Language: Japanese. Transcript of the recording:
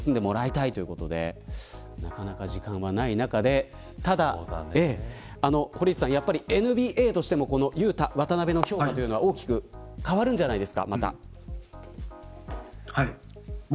なかなか時間はない中でただ堀内さん、ＮＢＡとしても渡邊選手の評価は大きく変わるんじゃないですか。